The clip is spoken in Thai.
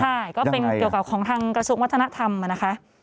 ใช่ก็เป็นเกี่ยวกับของทางกระทรวงวัฒนธรรมนะคะ